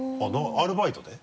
アルバイトで？